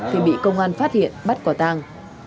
thì bị công an phát hiện bắt quả tàng